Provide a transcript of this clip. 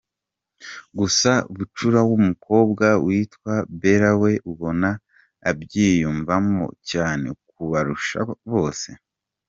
Gusa, bucura w’umukobwa witwa Bella we ubona abyiyumvamo cyane kubarusha bose.